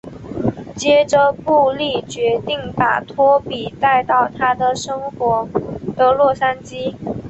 接着布莉决定把拖比带到他生活的洛杉矶。